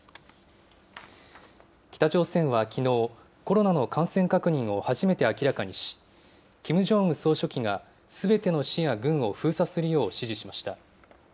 北朝鮮はきのう、コロナの感染確認を初めて明らかにし、キム・ジョンウン総書記がすべての市や郡を封鎖するよう指示しました。